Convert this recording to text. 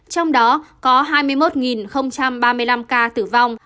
trong đó có hai mươi một ba mươi năm ca tử vong